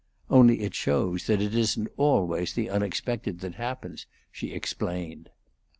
"Only it shows that it isn't always the unexpected that happens," she explained.